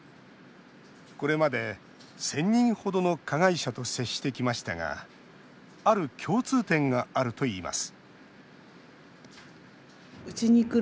これまで１０００人程の加害者と接してきましたがある共通点があるといいます